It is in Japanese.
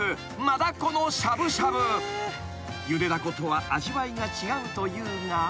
［ゆでだことは味わいが違うというが］